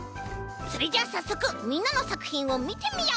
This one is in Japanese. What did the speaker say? それじゃあさっそくみんなのさくひんをみてみよう！